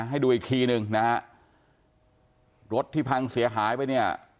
ให้ดูอีกทีหนึ่งนะฮะรถที่พังเสียหายไปเนี่ย